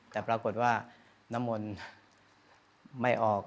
แต่ปรากฏว่าน้ำมนต์ไม่ออก